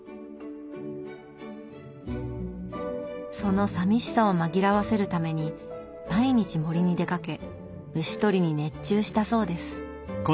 そのさみしさを紛らわせるために毎日森に出かけ虫捕りに熱中したそうです。